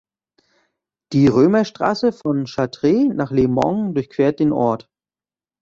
Die Römerstraße von Chartres nach Le Mans durchquert den Ort.